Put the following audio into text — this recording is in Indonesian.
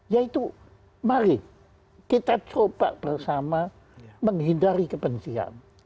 yaitu mari kita coba bersama menghindari kebencian